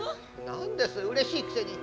何ですうれしいくせに。